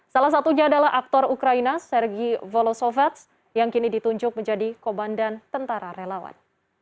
salah satunya adalah aktor ukraina sergi volosovets yang kini ditunjuk menjadi komandan tentara relawan